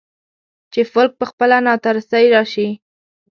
چې فلک پخپله ناترسۍ راشي.